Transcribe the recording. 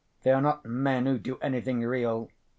They are not men who do anything real.